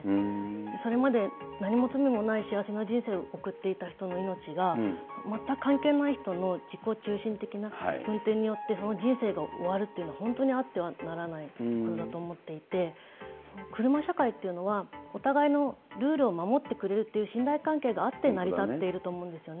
それまで何も罪もない幸せな人生を送っていた人の命が全く関係のない人の自己中心的な運転によってその人生が終わるっていうのは本当にあってはならないことだと思っていて、車社会っていうのは、お互いのルールを守ってくれるという信頼関係があって成り立っていると思うんですよね。